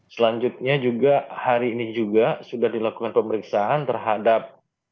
selanjutnya juga hari ini juga sudah dilakukan pemeriksaan terhadap